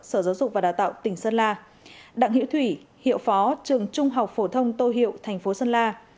sở giáo dục và đào tạo tỉnh sơn la đặng hiễu thủy hiệu phó trường trung học phổ thông tô hiệu thành phố sơn la